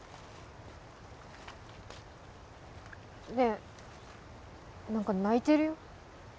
ねぇなんか泣いてるよ？